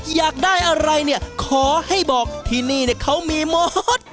อยากได้อะไรเนี่ยขอให้บอกที่นี่เขามีหมด